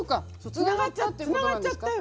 つながっちゃったよ。